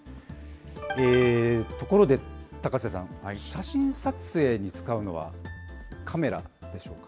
ところで高瀬さん、写真撮影に使うのはカメラでしょうか。